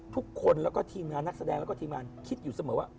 ทุกคนแล้วก็ทีมงานนักแสดงแล้วก็ทีมงานคิดอยู่เสมอว่า